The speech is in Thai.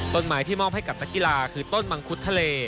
ต้นไม้ที่มอบให้กับนักกีฬาคือต้นมังคุดทะเล